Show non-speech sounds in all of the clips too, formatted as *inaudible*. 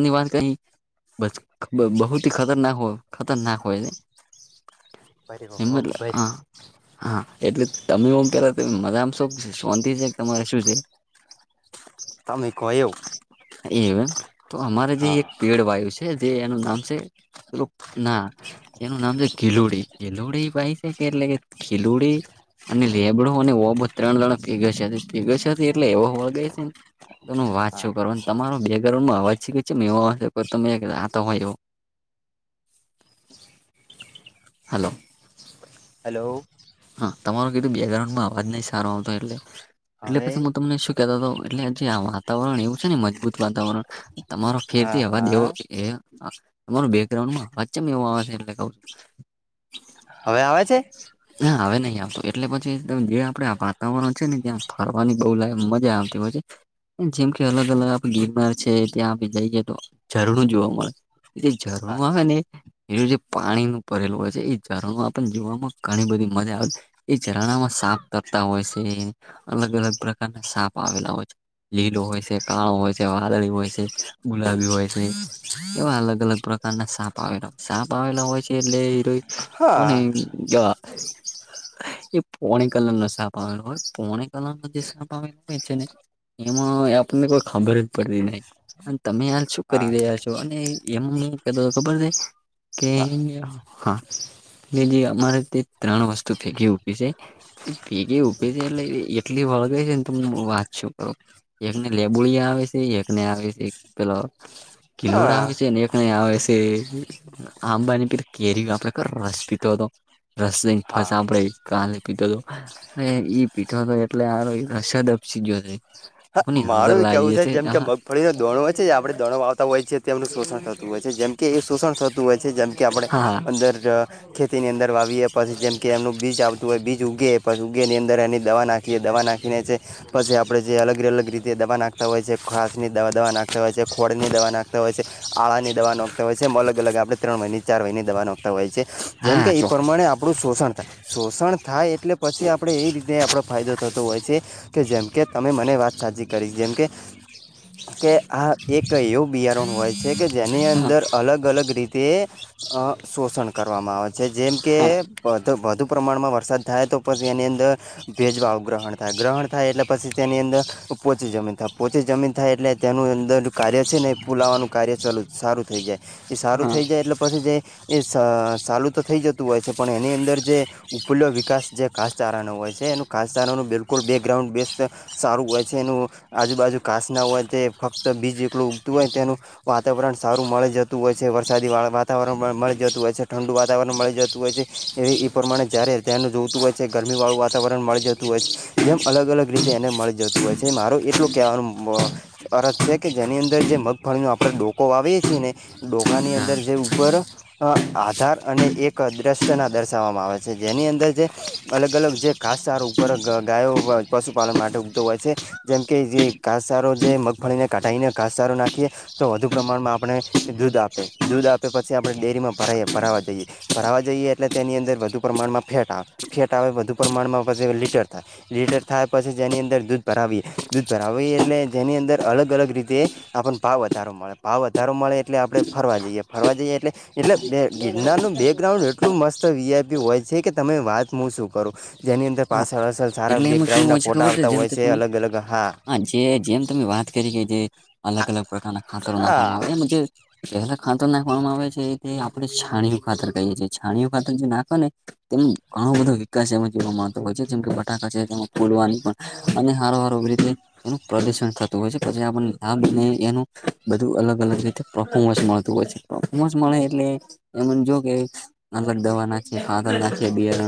ની વાત ક બહુથી ખરનાક હો ખતરનાક હોય એમલ તમે હા હા એટલે તમે એમ કેલા મજા આમ શો શોંતી છે કે તમારે શું છે તામે ખો્યો એમ તો અમારે જે હા એક પેડ વાયુ છે જે એનું નામ છે ના એનું નામ છે ખિલોડી ખિલોડી ભાઈ છે કે એટલે કે ખિલોડી અને લેબડો અનેને ઓ બ ત્રણ જણ પેગો છે પેગો એટલે એવો હોળ ગાય છે ને તોું વાત હા શું કરું ને તમારો બેકગ્રાઉન્ડમાં અવાજ છે એવા તમેતો હોય એ હલો હલો હા તમારો કીધું બેકગ્રાઉન્ડમાં અવાજ નહી સારો આવતો એટલે એટલે હવે પછી હું તમને શું એટલે જે આ વાતાવરણ એવું છે ને મજબૂત વાતાવરણ તમારો ખેર હા થી અવાજ એવો હા તમારો બેકગ્રાઉન્ડમાં અવાજ એવો આવે છે એટલે ક છું હવે આવે છે નાા હ નહ આવતું એટલે પછી જે આપડે વાતાવરણ છે ને ત્યાં ફરવાની બ લ મજા આવતી પછી જેમ કે અલગ અલગ આપ બીમાર છે ત્યાં આપણે જઈએ તો ઝરણું જોવા મળે એ જે ઝરણું હા આવે ને એનું જે પાણી નું ભરેલું હોય છે એ ઝરણું આપને જોવા મળ ઘણી બધી મજા આવે એ ઝરણામાં સાપ કરતા હોય છે અલગ અલગ પ્રકારના સાાપ આવેલા હોય છે લીલો હોય છે કાાવ હોય છે વાદળી હોય છે ગુલાબી હોય છે એવા અલગ અલગ પ્રકાર સાપ આવેલા સાપ આવેલા હોય છે એટલે એ કોને હા *inaudible* એ પોણે કલર નો સાપ આવેલો હોય પોણે કલર ન જે સાપ આવેલો હોય છે ને એમાં આપણને કોઈ ખબર જ પડતી નહી અને તમે હાલ શું કરી રહ્યા છો અને એમ નહી કતો ખબર છે. કે હા કે જે અમારે તે ત્રણ વસ્તુ ફેકી ઉઠી છે ભેગી ઉભે છે એટલે એટલી વળગઈ છે ને તમને હ વાંચ છું એકને લેબોળિયા આવે છે એકને આવે છે પેલો કિલોડ હા આવે છે ને એક ન આવે છે અ આંબાની પી તો કેરી આપલે રશી તો હતો રસલંગ હા ફસા બ રૈ કાર લ પીધ હ ઈ પીઠો તો એટલે આ રસાદપસીજયો છે. હા કોની નજર મારું એ લાગી કેહેવું છે હશે જેમ કે મગફળીનો દોણો હોય છે જે આપણે દોણો વાતા હોય છીએ તેમમનું શોષણ થતું હોય છે જેમ કે એ શોષણ થતું હોય છે જેમ કે આપણે હા અંદર ખેતીની અંદર આવીએ પછી જેમ કે એમનું બીજ આવતું હોય બીજ ઉગે પછી ઉગે એની અંદર એની દવા નાખીએ દવા નાખીને જે પછી આપડે જે અલગ-અલગ રીતે દવા નાખતા હોય છે. ઘાસ ની દવા નાખતા હોય છે, ખોળની દવા નાખતા હોય છે આળા ની દવા નોખતા હોય છે, એમ અલગ અલગ આપણે ત્રણ મહિની ચાર મહિની દવા નોખતા હોય છે. જેમ કે હા એ ચોક્કસ પ્રમાણે આપણું શોષણ થાય. શોષણ થાય એટલે પછી આપણે એ રીતે આપણો ફાયદો થતો હોય છે કે જેમ કે તમે મને વાત સાચી કરી જેમ કે કે આ એક એવું બિયારણ હોય છે કે જેની અંદર અલગ-અલગ રી તે શોષણ કરવામાં આવે છે જેમ કે હા પ તો વધુ પ્રમાણમાં વરસાદ થાય તો પછી એની અંદર ભેજવા ગ્રહણ થાય ગ્રહણ થાય એટલે પછી તેની અંદર પોચી જમીન થાય પોચી જમીન થાય એટલે તેનું અંદર કાર્ય છે ને એ પુલાવાનું કાર્ય ચાલું સારું થઈ જાય. એ સારું હા થઈ જાય એટલે પછી જે એ સારું તો થઈ જતું હોય છે પણ એની અંદર જે ઉપલ્યો વિકાસ જે કાસચારાનો હોય છે એનું કાસચારા નું બિલકુલ બેકગ્રાઉન્ડ બે સારું હોય જે એનું આજુબાજુ કાસ ના હોય તે ફક્ત બીજ એકલું ઉગતું હોય તેનું વાતાવરણ સારું મળી જતું હોય છે વરસાદી વાળ વાતાવરણ મળી જતું હોય છે ઠંડુ વાતાવરણ મળી જતું હોય છે એ એ પ્રમાણે જયારે ધ્યાન જોવતું હોય છે ગરમી વાળું વાતાવરણ મળી જતું હોય છે. જેમ અલગ અલગ રીતે એને મળી જતું હોય છે. મારો એટલું કેવાનું અરજ છે કે જેની અંદર જે મગફળીનો આપણે ડોકો આવીએ છીએ ને ડોકા ની હા અંદર જે ઉપર અ આધાર અને એક દ્રષ્ટ ના દર્શાવવામાં આવે છે. જેની અંદર જે અલગ-અલગ જે ખાસ સારો ઉપર ગાયો પશુપાલન માટે હોય છે. જેમ કે જે ઘાસચારો જે મગફળીને કાઢાઈને ઘાસચારો નાખીએ તો વધુ પ્રમાણમાં આપણે દૂધ આપે દૂધ આપે પછી આપણે ડેરીમાં ભરા ભરાવા જઈએ. ભરાવા જઈએ એટલે તેની અંદર વધુ પ્રમાણમાં ફેટા ફેટ આવે વધધુ પ્રમાણમાં પછી લીટર થાય લીટર થાય પછી જેની અંદર દૂધ ભરાવીએ. દૂધ ભરાવીએ એટલે જેની અંદર અલગ અલગ રીતે આપણને ભાવ વધારો મળે ભાવ વધારો મળે એટલે આપડણે ફરવા જઈએ ફરવા જઈએ એટલે એટલે બે ગિરનારનું બેકગ્રાઉન્ડ એટલું મસ્ત વીઆઈપી હોય છે કે તમે વાત હું શું કરું. જેની અંદર હા પાછળ પાછળ સારા એટલે એમાં કેવું બેકગ્રાઉન્ડના હોય છે ફોટા ખબર આવતા જેમ હોય કે છે જે તમે અલગ-અલગ હા. જે જેમ તમે વાત કરી કે જે અલગ અલગ પ્રકારના ખાતરો હા નાખવામાં આવે એમ જે પહેલા ખાતર નાખવામાં આવે છે તે આપડે છાણીયું ખાતર કહીએ છીએ છાણીયું ખાતર જે નાખો ને તેમ ઘણો બધો વિકાસ એમાં જોવા તો હોય છે જેમ કે ફૂવાની પણ અને હાર હ રીતે એનું પ્રદુષણ થતું હોય છે પછી આપને લાભ એનું બધું અલગ અલગ રીતે ફોર્મન્સ મળતું હોય છે. ફોર્મન્સ મળે એટલે એને જો કે તમે અલગ થોડુંક દવા જોરથી નાખી બોલો ને ખાદર અવાજ નાખ ઓછો આવે બેર છે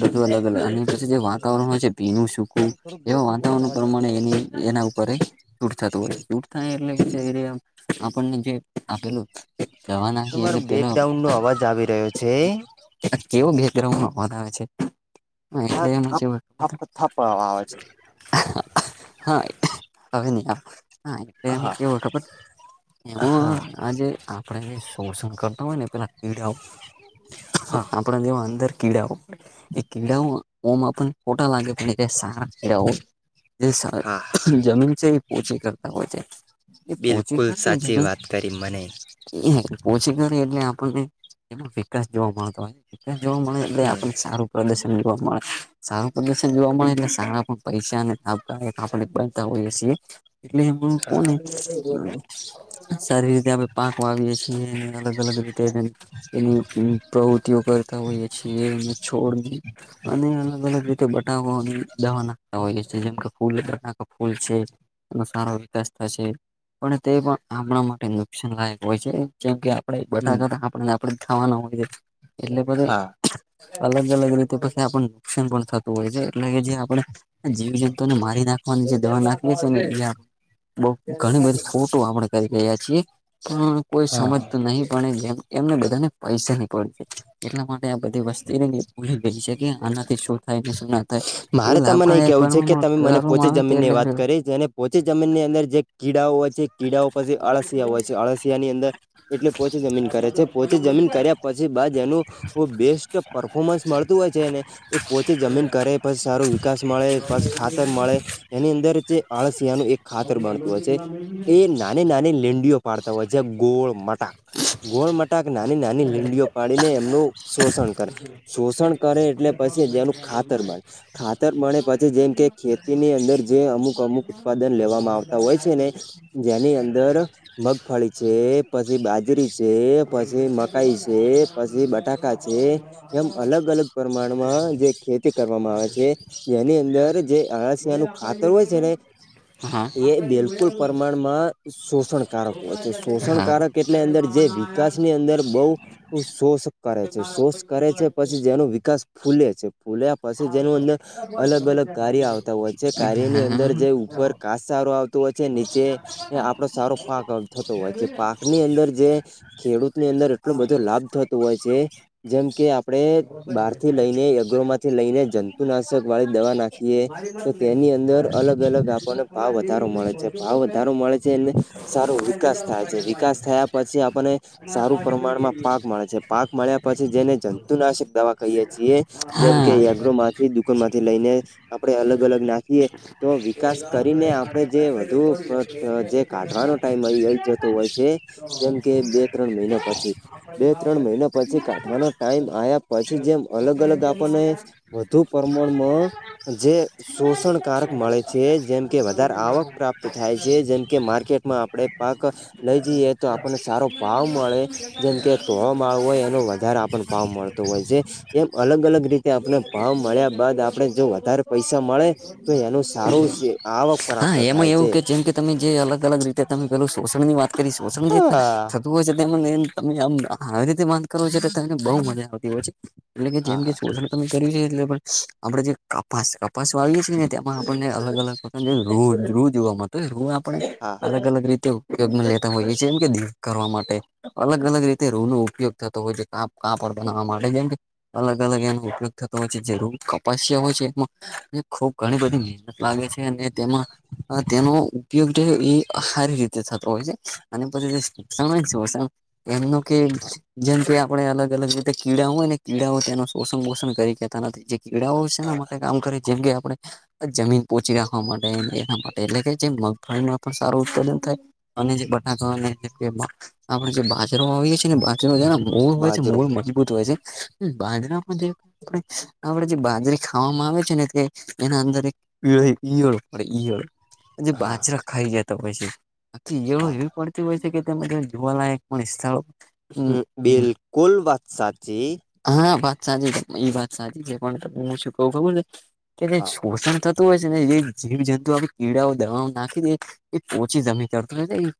બધું અલગ અલગ અને પછી જે વા વાતાવરણ હોય છે ભીનું સૂકું તમે થોડુંક એવા જોરથી બોલો ને વાતાવરણ અવાજ નથી પ્રમાણે આવતો એ એના ઉપર તુંટ થતું હોયૂટ થાય એટલે આપણને જે આપેલું જવા નાખીએ તમારો એટલે પેલો બેકગ્રાઉન્ડનો અવાજ આવી રહ્યો છે કેવું બેચરવું નંધ આવે છે એટલે હા એનું છે થપ હા થપ થપ આવે છે હવે ન આમ હા એમ હા વખ મેમ હા આજે આપણે શોડસણ કરતા હોય ને પેલા કીડાઓ હા આપણા જેવા અંદર કીડાઓ પ એ કીડાઓ ઓમ પણણ ફોટા લાગે પણ સ હા જે જમીન છે એ પોચી કરતા હોય છે એ પોચી ખ ને જમીન ટ મને એ ઓછી કરે એટલે આપણને એનો વિકાસ જોવા મળતો હોય જોવા મળે એટલે આપણને સારું પ્રદર્શન જોવા મળે સારું પ્રદુષણ જોવા મળે એટલે સારા પણ પૈસા અને આપ બનતા હોઈએ છીએ એટલે એમાં કોને સારી રીતે આપણે પાક વાવીએે છીએ અનેને અલગ અલગ રીતે એની પ્રવૃતિઓ કરતા હોઈએ છીએ એ એને છોડ દ અને રીતે બટાવ દના જેમ કે ફૂલરણા ફૂલ છે એનો સારો વિકાસ થાય છે પણ તે પણ આપણા માટે નુકસાન લાયક હોય છે જેમ કે આપણે હમ બટાકા આપણેને આપે ખાવાના હોય છે એટલે બધ હા અલગ અલગ રીતે પછી આપણ નુકસાન પણ થતું હોય છે એટલે કે જે આપણે જીવી જંતુ ને મારી નાખવાની જે દવા નાખી છે ને એ બ ઘણી બધી ફોટો આપણે કરી રહ્યા છીએ પણ કોઈ હા સમજત નહી પે એમને બધાને પૈસા ની પડે એટલા માટે આ બધી વસ્તુ એ ભૂલી ગેલી છે કે આ શું થાય ને શું ના થાય એ મારે તમને લાભદાયક કહેવું છે કે બનવામાં કરવામાં આવે એટલે ઓછી જમીન ની અંદર જે કીડાઓ હોય છે કીડાઓ પછી અળસિયા હોય છે અળસિયા ની અંદર એટલે પોચે જમીન કરે છે પોચે જમીન કર્યા પછી બાજ એનું બેસ્ટ પરફોર્મન્સ મળતું હોય છેને પોચી જમીન કરે પછી સારો વિકાસ મળે પછી ખાતર મળે એની અંદર જે આળસિયા નું એક ખાતર બણતું હોય છે એ નાની નાની લીંડીઓ પાડતા હોય છે ગોળ મટાક ગોળ મટાક નાની નાની લીંડીઓ પાડીને એમનું શોષણ કરે શોષણ હમ એટલે પછી જેનું ખાતર મળ ખાતર મળે પછી જેમ કે ખેતીની અંદર જે અમુક અમુક ઉત્પાદન લેવામાં આવતા હોય છે ને જેની અંદર મગફળી છે પછી બાજરી છે પછી મકાઈ છે પછી બટાકા છે એમ અલગ અલગ હમ પ્રમાણમાં જે ખેતી કરવામાં આવે છે જેની અંદર જે અળસિયાનું ખાતર હોય છે ને *inaudible* એ બિલકુલ પ્રમાણમાં શોષણકારક હોય છે શોષણકારક એટલે અંદર જે વિકાસ ની અંદર બહ શોષ કરે છે શોષ કરે પછી જેનો વિકાસ ફૂલે છે ફૂલે પછી જેનું અંદર અલગ અલગ કાર્ય આવતા હોય છે હા કાર્યની અંદર જે ઉપર કાસારો હોય છે નીચે આપડો સારો પાક થતો હોય છે પાક ની અંદર જે ખેડૂત ની અંદર એટલો બધો લાભ થતો હોય છે જેમ કે આપણે બહારથી લઈને યગ્રોમાં લઈને જંતુનાશક વાળી દવા નાખીએ તો તેની અંદર અલગ અલગ આપણને ભાવ વધારો મળે છે ભાવ વધારો મળે છે એને સારો વિકાસ થાય છે વિકાસ થયા પછી આપને સારું પ્રમાણમાં પાક મળે છે પાક મળ્યા પછી જેને જંતુનાશક દવા ખાઈએ છીએ હા જેમ કે હા ગ્રોમાંથી દુકાન માંથી લઈને આપડે અલગ અલગ નાખીએ તો વિકાસ કરીને આપણે જે વધુ જે કાઢવાનો ટાઈમ મળીઈ જતો હોય છે જેમ કે બે ત્રણ મહિના પછી બે ત્રણ મહિના પછી કાઢવાનો ટાઈમ આવ્યા પછી જેમ અલગ અલગ આપ ને વધુ પ્રમાણમાં જે શોષણકારક મળે છે જેમકે વધારે આવક પ્રાપ્ત થાય છે જેમકે માર્કેટમાં આપણે પાક લઈ જઈએ તો આપણને સારો ભાવ મળે જેમ કે તોળો માળ હોય એનો વધારે આપણને ભાવ મળતો હોય છે *inaudible* એમ અલગ અલગ રીતે આપણે ભાવ મળ્યા બાદ આપણે જો વધારે પૈસા મળે તો એનું સારું છે આવક હા પ્રાપ્ત એમાં થાય એવું છે. કે જેમ કે તમે જે અલગ અલગ રીતે તમે પેલું શોષણ ની વાત કરી શોષણ જે થ હા. વું હોય છે તમે આમ હારી રીતે વાત કરો છો તો તમને બહુ મજા આવતી હોય છે એટલે કે જેમ હા કે હા તે તમેં કર્યું છે એટલે પણ આપડે જે કપાસ કપાસ છે ને તેમાં આપને અલગ અલગ જ રુ રુ જોવા માંળતો રે રુ આપને હા હા અલગ અલગ રીતે ઉપયોગ લેતા હોય છે કેમ કે દીપ કરવા માટે અલગ અલગ રીતે રૂ નો ઉપયોગ થતો હોય છે કાપ કાપડ બનાવા માટે જેમ કે અલગ એનો ઉપયોગ થતો હોય છે જે ર કપાસ્યા હોય છે એ ખુબ ઘણી હા બધી મહેનત લાગે છે અને તેમાં અ તેનો ઉપયોગ જે ઈ હા રી રીતે થતો હોય છે અને પછી જે સોસણ હોય સોસણ એમનું કે હા જેમ કે આપણે અલગ અલગ રીતે કીડા હોય ને કીડાઓ તેનો પોષણ પોષણ કરી કતા નથી જે કીડાઓ છે એના હા માટે કામ કરે જેમ કે આપણે જમીન પોહચી રાખવા માટે એના માટે એટલે કે જે મગફળી પણ સારું ઉત્પાદન થાય અને જે બટાકા અને આપડે જે બાજરો વાવીએ છે ને બાજરો છે ને મૂળ હોય છે બાજરો મૂળ મજબૂત હોય છે બાંજરા આપડે જે બાજરી ખાવામાં આવે છે ને તે એના અંદર એક ઈયળ ફરે ઈયળ જે હા બાજરા ખાઈ જતા હોય છે આખી ઇયળો હા પડતી હોય છે કે તેમા જરાક જોવાલાયક પણ સ્થળ હમ બિલકુલ વાત સાચી હા વાત સાચી છે એ વાત સાચી છે પણ હું છું કવું ખબર છે કે જે હા. શોષણ થતું હોય છે ને એ જીવ જંતુ આપ કીડાઓ દવાઓ નાખી દે એ ઓછી જમી ચડતું નથી એ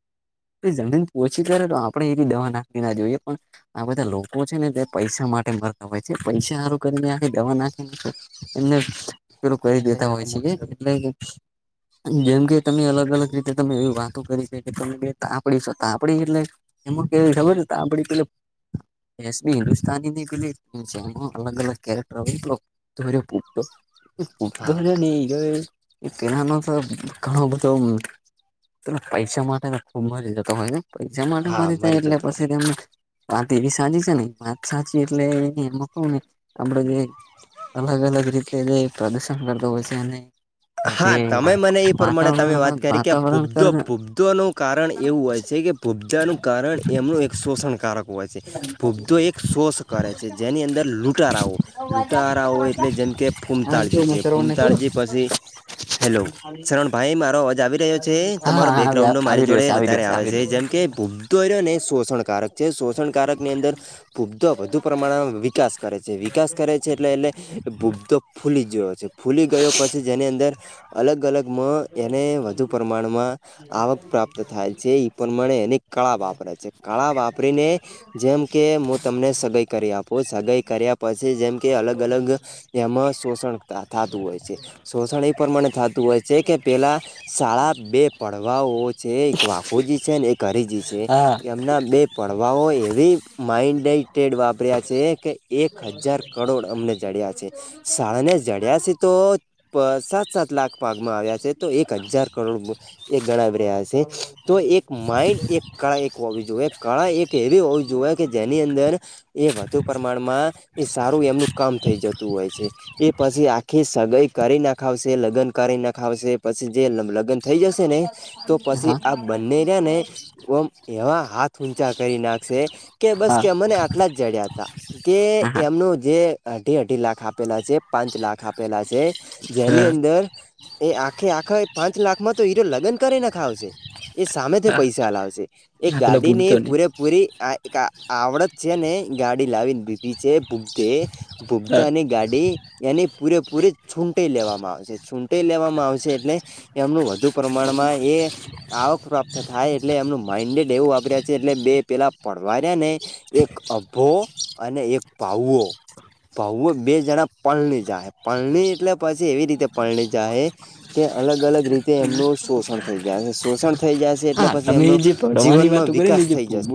જી પોચી કરે તો આપણેે એ દવા નાખી ના જોઈએ પણ આ બધા લોકો છે ને તે પૈસા માટે મરતા હોય છે પૈસા સારું કરીને આખી દવા નાખી એમને પેલું કહીં દેતા હોય છે કે એટલે જેમ કે તમે અલગ અલગ રીતે તમે એવી વાતો કરી છે કે તમે તાપડીશો તાપડી એટલે એમ કેવી ખબર છે ત આપડી એસબી હિન્દુસ્તાની ની પેલી અલગ અલગ કારેક્ટર હા *unintelligible* *unintelligible* તેનાનો તો ઘણો બધો પૈસા માટે ખૂબ મરી જતો હોય ને પૈસા માટે હા મરી જાય એટલે જતો હોય પછી તેમ વાત એવી સાચી છે ને વાત સાચી એટલે એમાં કહું ને આપડે જે અલગ અલગ રીતે જે પ્રદર્શન કરતો હોય છે અને જે હા તમે મને એ પ્રમાણે તમે વાત વાતાવરણ કરી કે આ વાતાવરણ પુબદો પુબડદો નું કારણ એવું હોય છે કે પુબદાનું કારણ એમનું એક શોષણકારક હોય છે પૂબદો એક શોસ કરે છે જેની અંદર લૂંટારાઓ લૂંટારાઓ એટલે જેમ કે હા જો ફૂમતાળજી હું છે શ્રવણ ને ખબર ફૂમતાળજી પછી *inaudible* હેલો શરણ ભાઈ મારો અવાજ આવી રહ્યો છે હા તમારો હા આવી બેકગ્રાઉન્ડનો મારી આવી રહ્યો જોડે છે આવી રહ્યો વધારે આવે આવી છે રહ્યો જેમ કે ભૂ તોર્યોને શોષણકારક છે શોષણકારક ની અંદર ભૂબ્ધો વધુ પ્રમાણમાં વિકાસ કરે છે વિકાસ કરે છે એટલે એટલે ભૂબ્ધો ફૂલી ગયો છે ફૂલી ગયો પછી અલગ અલગ એને વધુ પ્રમાણમાં આવક પ્રાપ્ત થાય છે પણ મણે એને કાળા વાપરે છે કાળા વાપરીને જેમ કે હું તમને સગાઈ કરી આપું સગાાઈ કર્યા પછી જેમ કે અલગ અલગ એમાં શોષણ થતું હોય છે શોષણ એ પ્રમાણે થતું હોય છે કે પેલા શાળા બે પડવાઓ છે એક વાખોજી છે ને એક અરીજી છે. એમના બે પડવાઓ એવી માઇન્ડે. ટેડ વાપર્યા છે કે એક હજાર કડોડ અમને જડ્યા છે. શાળાને જડ્યા છે તો. પ સાત સાત લાખ પાગમાં આવ્યા છે તો એક હજાર કરોડ મુ એ ગણાવી રહ્યા છે તો એક માઇન્ડ. એક કળા એક હોવી જોઈએ કળા એક એવી હોવી જોઈએ કે જેની અંદર એ વધુ પ્રમાણમાં એ સારું એમનું કામ થઈ જતું હોય છે. એ પછી આખી સગાઈ કરી નાખાવશે લગ્ન કરી નાખાવશે પછી જે થઈ જશે ને તો છે હા પછી હા આ બંને્યાને ઓમ એવા હાથ ઊંચા કરી નાખશે કે બસ હા કે મને એટલા જ જડ્યા હતા કે હા એમનું જે અઢી અઢી લાખ આપેલા છે. પાંચ લાખ આપેલાં છે. દર એ આખે આખા પાંચ લાખ માં તો એરો લગ્ન કરી નખાવશે. એ સામેથી હા પૈસા લાવશે એ હા પેલા ગાડી ની ભૂગતો નહી પૂરેપૂરી આ એક આવડત છે ને ગાડી લાવી દીધી છે બુપ્ધે બુપ્ધ હા અને. ગાડી એની પૂરેપૂરી છૂટાઈ લેવામાં આવશે છૂટાઈ લેવામાં આવશે એટલે એમનું વધુ પ્રમાણમાં એ આવક પ્રાપ્ત થાય એટલે એમનું માઈન્ડ જ એવું વાયર્યા છે એટલે બે પેલા પડવાર્યા ને એક અભો અને એક પાઉઓ બહઓ બેજડા પલલી જા હૈ પલની એટલે પછી એવી રીતે પરણી જ કે અલગ અલગ રીતે એમનું શોષણ થઈ જાય શોષણ થઈ જશે એટલે હા પછી એમનો તમે જે ભણવાની જીવનમાં વાતો કરી ને વિકાસ જે થઈ જશે. ભૂગ